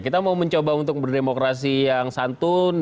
kita mau mencoba untuk berdemokrasi yang santun